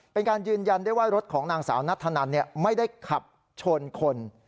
เป็นการยืนยันได้ว่ารถของนางสาวนัทธนันไม่ได้ขับชนคน